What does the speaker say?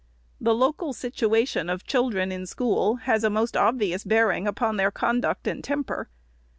The local situation of children in school has a most obvious bearing upon the conduct and temper.